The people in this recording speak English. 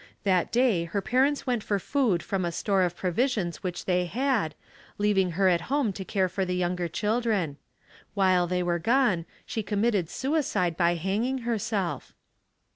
That day her parents went for food from a store of provisions which they had, leaving her at home to care for the younger children. While they were gone she committed suicide by hanging herself.